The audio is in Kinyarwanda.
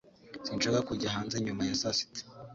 Sinshaka kujya hanze nyuma ya saa sita